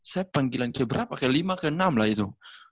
saya panggilan keberapa ke lima ke enam lah itu